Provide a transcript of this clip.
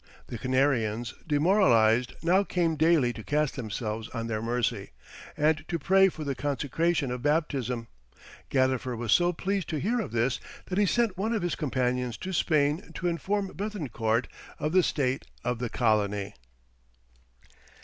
The Canarians, demoralized, now came daily to cast themselves on their mercy, and to pray for the consecration of baptism. Gadifer was so pleased to hear of this, that he sent one of his companions to Spain to inform Béthencourt of the state of the colony.